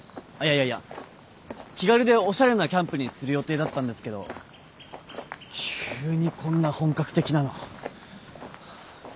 いやいや気軽でおしゃれなキャンプにする予定だったんですけど急にこんな本格的なの大丈夫ですか？